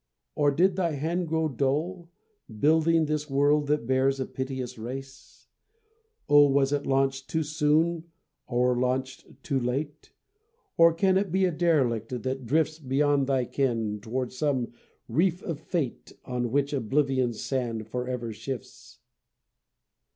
or did thy hand grow dull Building this world that bears a piteous race? O was it launched too soon or launched too late? Or can it be a derelict that drifts Beyond thy ken toward some reef of Fate On which Oblivion's sand forever shifts?"